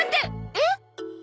えっ？